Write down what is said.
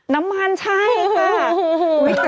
น้ำมันใช่ค่ะ